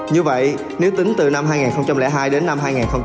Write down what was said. như vậy nếu tính từ năm hai nghìn hai đến năm hai nghìn hai mươi bảy